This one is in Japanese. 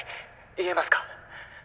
言えますか？